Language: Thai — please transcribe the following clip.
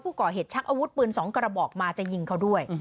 ผู้ก่อเหตุชักอาวุธปืน๒กระบอกมาจะยิงเขาด้วย